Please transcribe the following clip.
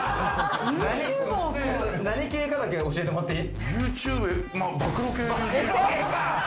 何系かだけ教えてもらってい暴露系？